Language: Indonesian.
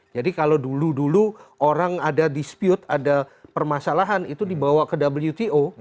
jadi kalau dulu dulu orang ada dispute ada permasalahan itu dibawa ke wto